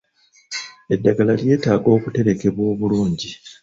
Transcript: Eddagala lyeetaaga okuterekebwa obulungi.